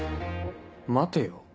待てよ